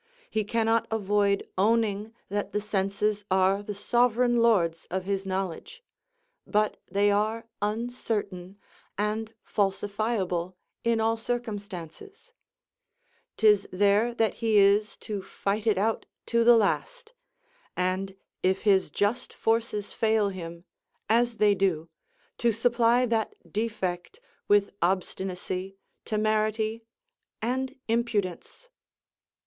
He cannot avoid owning that the senses are the sovereign lords of his knowledge; but they are uncertain, and falsifiable in all circumstances; 'tis there that he is to fight it out to the last; and if his just forces fail him, as they do, to supply that defect with obstinacy, temerity, and impudence.